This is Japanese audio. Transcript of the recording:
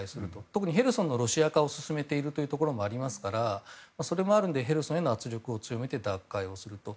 特にヘルソンのロシア化を進めているところがありますからそれもあるのでヘルソンへの圧力を強めて奪還をすると。